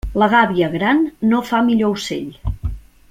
La gàbia gran no fa millor ocell.